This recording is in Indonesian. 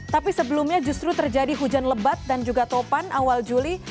tapi sebelumnya justru terjadi hujan lebat dan juga topan awal juli